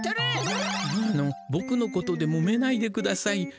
あのぼくのことでもめないでください。